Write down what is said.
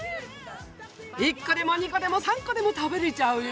１個でも２個でも３個でも食べれちゃうよ！